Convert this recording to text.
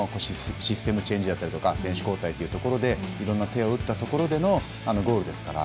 システムチェンジだったり選手交代だったりといろんな手を打ったところでのあのゴールですから。